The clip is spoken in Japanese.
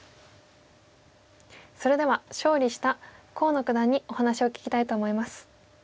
それでは勝利した河野九段にお話を聞きたいと思います。